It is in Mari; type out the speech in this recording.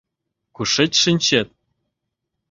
Кушеч шинчет?